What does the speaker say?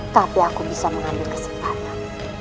tapi aku bisa mengambil kesempatan